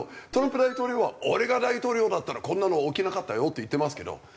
トランプ大統領は俺が大統領だったらこんなの起きなかったよって言ってますけど。